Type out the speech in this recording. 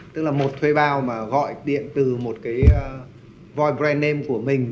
tức là một thuê bao mà gọi điện từ một cái void brand name của mình